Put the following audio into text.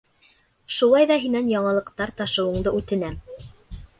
Шулай ҙа һинән яңылыҡтар ташыуынды үтенәм.